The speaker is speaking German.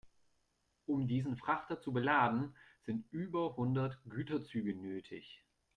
Um diesen Frachter zu beladen, sind über hundert Güterzüge nötig.